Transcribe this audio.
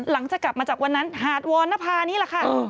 หลังจากกลับมาจากวันนั้นหาดวรณภานี่แหละค่ะ